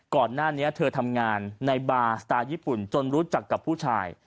ก่อนหน้านี้เธอทำงานในบาร์สไตล์ญี่ปุ่นจนรู้จักกับผู้ชาย